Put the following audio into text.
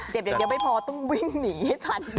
อย่างเดียวไม่พอต้องวิ่งหนีให้ทัน